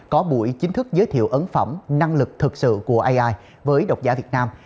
có buổi chính thức giới thiệu ấn phẩm năng lực thực sự của ai với độc giả việt nam